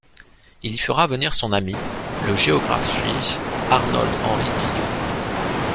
Il y fera venir son ami, le géographe suisse Arnold Henri Guyot.